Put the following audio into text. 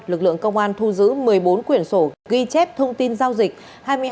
lực lượng công an thu giữ một mươi bốn quyển sổ ghi chép thông tin giao dịch